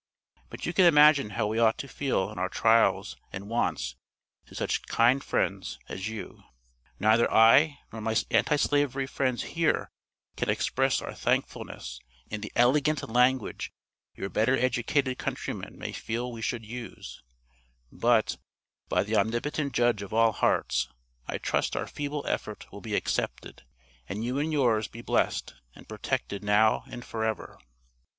But you can imagine how we ought to feel in our trials and wants to such kind friends as you. Neither I nor my Anti Slavery friends here can express our thankfulness in the elegant language your better educated countrymen may feel we should use, but, by the Omnipotent Judge of all hearts, I trust our feeble effort will be accepted, and you and yours be blessed and protected now and for ever.